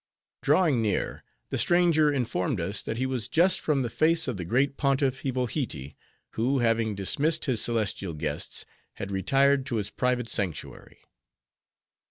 Drawing near, the stranger informed us, that he was just from the face of the great Pontiff, Hivohitee, who, having dismissed his celestial guests, had retired to his private sanctuary.